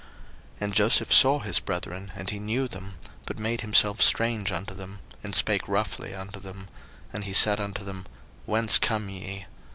01:042:007 And Joseph saw his brethren, and he knew them, but made himself strange unto them, and spake roughly unto them; and he said unto them, Whence come ye?